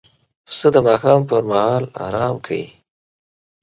پسه د ماښام پر مهال آرام کوي.